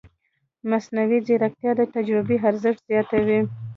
مصنوعي ځیرکتیا د تجربې ارزښت زیاتوي.